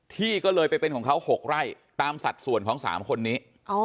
ที่ก็เลยไปเป็นของเขา๖ไร่ตามสัดส่วนของ๓คนนี้